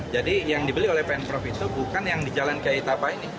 jadi yang dibeli oleh pemprov itu bukan yang dijalankan kayak apa ini